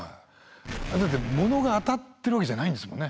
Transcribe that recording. だってものが当たってるわけじゃないんですもんね。